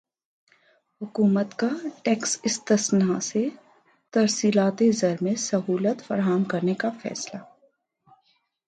حکومت کا ٹیکس استثنی سے ترسیلات زر میں سہولت فراہم کرنے کا فیصلہ